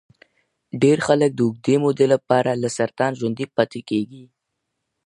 ډېر خلک د اوږدې مودې لپاره له سرطان ژوندي پاتې دي.